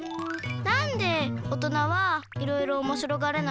なんで大人はいろいろおもしろがれないの？